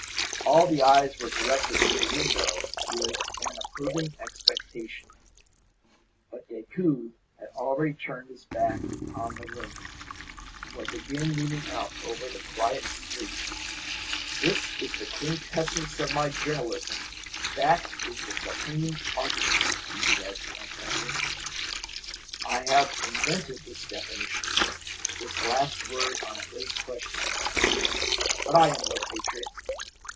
All the eyes were directed to the window with an approving expectation; but Decoud had already turned his back upon the room, and was again leaning out over the quiet street. "This is the quintessence of my journalism; that is the supreme argument," he said to Antonia. "I have invented this definition, this last word on a great question. But I am no patriot.